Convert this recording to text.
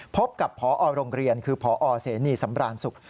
พบกับพอโรงเรียนคือพอเสนีสำราญสุข